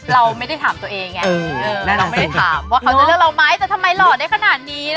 เราไม่ได้ถามตัวเองไงแล้วเราไม่ได้ถามว่าเขาจะเลือกเราไหมแต่ทำไมหล่อได้ขนาดนี้